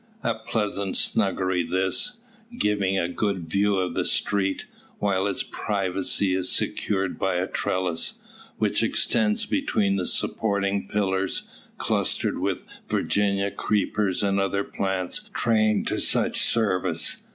A pleasant snuggery this, giving a good view of the street, while its privacy is secured by a trellis, which extends between the supporting pillars, clustered with Virginia creepers and other plants trained to such service.